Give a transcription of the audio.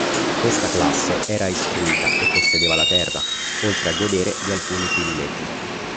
Questa classe era istruita e possedeva la terra, oltre a godere di alcuni privilegi.